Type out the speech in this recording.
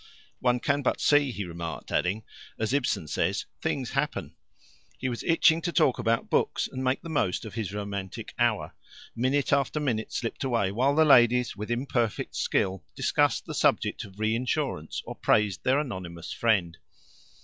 "One can but see," he remarked, adding, "as Ibsen says, 'things happen.'" He was itching to talk about books and make the most of his romantic hour. Minute after minute slipped away, while the ladies, with imperfect skill, discussed the subject of reinsurance or praised their anonymous friend.